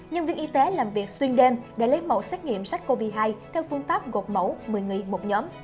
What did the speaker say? nhân viên y tế làm việc xuyên đêm để lấy mẫu xét nghiệm sars cov hai theo phương pháp gột mẫu một mươi một nhóm